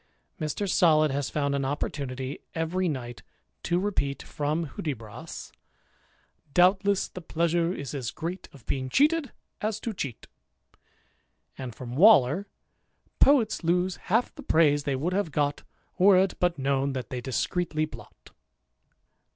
Mr. Solid has found an opportunity every night to repeat, from Hudibras, " Doubtless the pleasure is as great Of being cheated, as to cheat ;" and from Waller, " Poets lose half the praise they would have got, Were it but known that they discreetly blot."